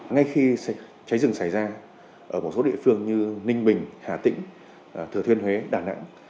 ngay khi cháy rừng xảy ra ở một số địa phương như ninh bình hà tĩnh thừa thiên huế đà nẵng